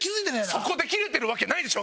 そこで切れてるわけないでしょ